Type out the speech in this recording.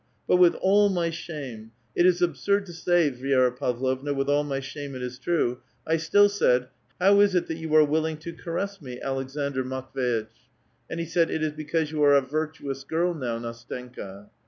But with all my shnme, — it is absurd to sny, Vi^ra Pavlovna, with all my shame, it is true, — I still said, ' How is it that you are willing to caress me, Aleksandr Matv<$itch?' And he said, 'It is because you are a virtuous girl now, Ndstenka.'